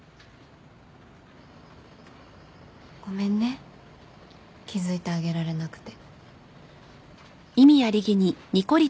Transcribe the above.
ごめんね気付いてあげられなくて。